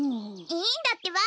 いいんだってば。